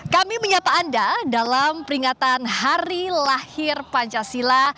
kami menyapa anda dalam peringatan hari lahir pancasila